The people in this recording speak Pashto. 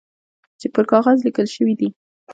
چي پر کاغذ لیکل شوي دي .